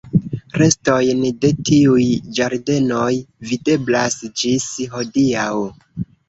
Restojn de tiuj ĝardenoj videblas ĝis hodiaŭ.